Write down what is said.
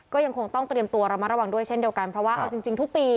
ก็ยังคงต้องเตรียมตัวระมัดระวังด้วยเช่นเดียวกันเพราะว่าเอาจริงทุกปี